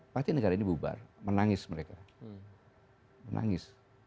pasti negara ini bubar menangis mereka menangis